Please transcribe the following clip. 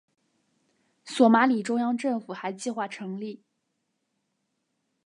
索马里中央政府还计划成立。